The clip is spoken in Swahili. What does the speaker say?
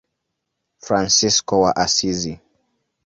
Fransisko wa Asizi.